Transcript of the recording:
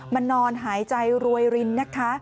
นอนหายใจรวยรินนะคะ